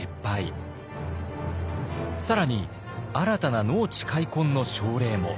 更に新たな農地開墾の奨励も。